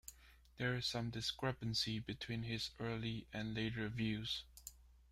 There is some discrepancy between his early and later views.